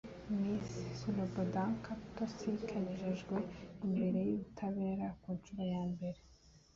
Miss Slobodanka Tosic yagejejwe imbere y’ubutabera ku nshuro ya mbere